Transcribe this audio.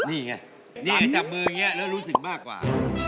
นี่ไงนี่ไงจับมืออย่างนี้แล้วรู้สึกมากกว่า